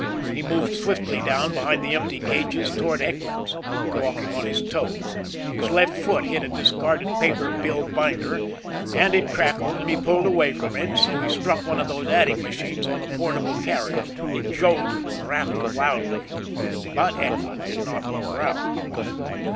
He moved swiftly down behind the empty cages toward Eckland's, walking on his toes. His left foot hit a discarded paper bill binder and it crackled and he pulled away from it so he struck one of those adding machines on a portable carriage. It jolted and rattled loudly. But Eckland did not look around.